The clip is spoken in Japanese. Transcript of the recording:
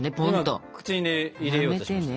今口に入れようとしました。